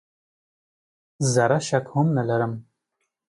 زره شک هم نه لرم .